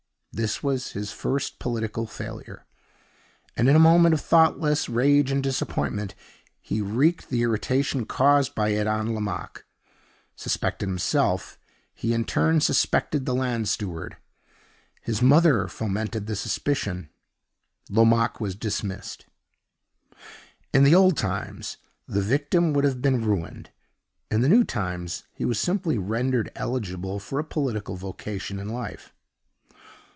This was his first political failure; and, in a moment of thoughtless rage and disappointment, he wreaked the irritation caused by it on Lomaque. Suspected himself, he in turn suspected the land steward. His mother fomented the suspicion Lomaque was dismissed. In the old times the victim would have been ruined, in the new times he was simply rendered eligible for a political vocation in life.